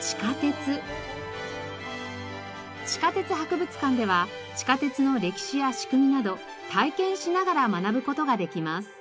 地下鉄博物館では地下鉄の歴史や仕組みなど体験しながら学ぶ事ができます。